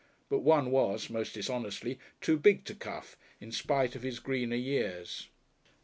But one was (most dishonestly) too big to cuff in spite of his greener years.